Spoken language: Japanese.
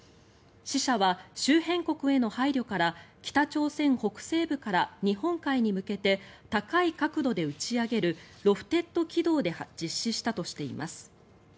試射は周辺国への配慮から北朝鮮北西部から日本海に向けて高い角度で打ち上げるロフテッド軌道で実施したとしています。